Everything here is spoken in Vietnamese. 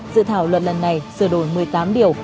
dự thảo luật lần này sửa đổi một mươi tám điều